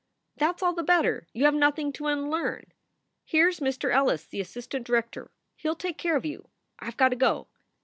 "That s all the better. You have nothing to unlearn. Here s Mr. Ellis, the assistant director. He ll take care of you. I ve got to go."